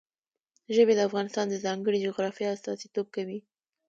ژبې د افغانستان د ځانګړي جغرافیه استازیتوب کوي.